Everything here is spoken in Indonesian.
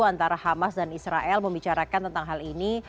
antara hamas dan israel membicarakan tentang hal ini